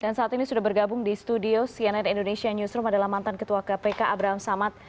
dan saat ini sudah bergabung di studio cnn indonesia newsroom adalah mantan ketua kpk abraham samad